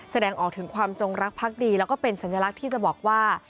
แสดงออกถึงความจงรักพักดีแล้วก็เป็นสัญลักษณ์ที่จะบอกว่า